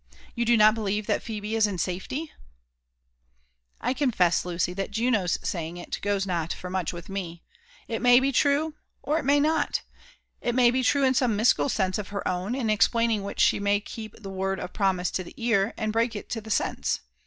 You do not believe that Phebe is in safety ?*^ "I confess, Lucy, that Juno's saying it goes not for much with me. ^It may be true, or it may not. It may be true in some mystical sense of her own, in explaining which she might keep the word of promise, to the ear, and break it to the sense.